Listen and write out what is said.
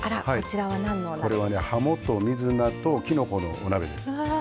これはね、はもと水菜ときのこのお鍋です。